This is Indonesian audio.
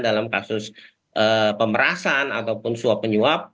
dalam kasus pemerasan ataupun suap penyuap